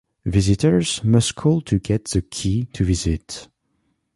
Visitors must call to get the keys to visit.